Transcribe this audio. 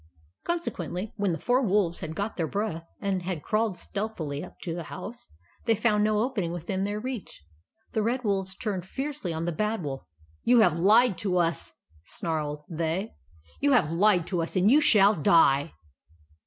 Consequently, when the four wolves had got their breath, and had crawled stealthily up to the house, they found no opening within their reach. The Red Wolves turned fiercely on the Bad Wolf. " You have lied to us !" snarled they. " You have lied to us, and you shall die